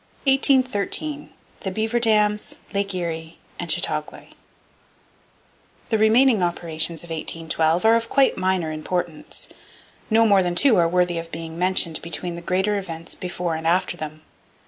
CHAPTER V 1813: THE BEAVER DAMS, LAKE ERIE, AND CHATEAUGUAY The remaining operations of 1812 are of quite minor importance. No more than two are worthy of being mentioned between the greater events before and after them.